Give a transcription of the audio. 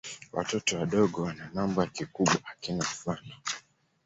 Watoto wadogo wana mambo ya kikubwa hakuna mfano.